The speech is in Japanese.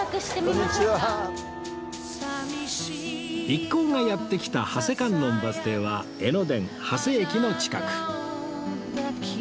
一行がやって来た長谷観音バス停は江ノ電長谷駅の近く